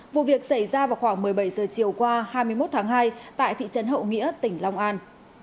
vụ việc xảy ra vào khoảng một mươi bảy giờ chiều qua hai mươi một tháng hai tại thị trấn hậu nghĩa tỉnh long an